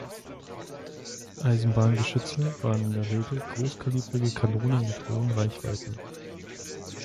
Eisenbahngeschütze waren in der Regel großkalibrige Kanonen mit hohen Reichweiten.